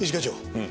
うん。